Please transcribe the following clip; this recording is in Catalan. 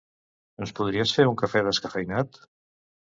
Ens podries fer un cafè descafeïnat?